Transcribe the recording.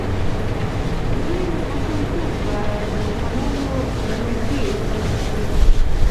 دوی له ماشومتوبه دښمن له نږدې احساس کړی.